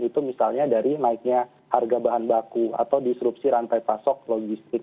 itu misalnya dari naiknya harga bahan baku atau disrupsi rantai pasok logistik